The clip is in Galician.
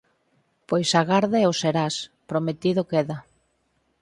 Pois agarda e o serás. Prometido queda.